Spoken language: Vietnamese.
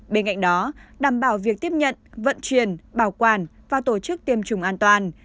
bên cạnh đó đảm bảo việc tiếp nhận vận chuyển bảo quản và tổ chức tiêm chủng an toàn